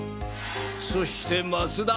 そして松田。